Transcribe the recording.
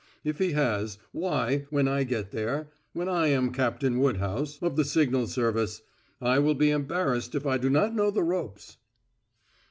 If he has, why, when I get there when I am Captain Woodhouse, of the signal service I will be embarrassed if I do not know the ropes."